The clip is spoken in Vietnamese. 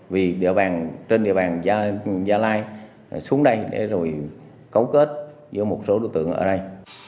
vì trên địa bàn gia lai xuống đây để rồi cấu kết với một số đối tượng ở đây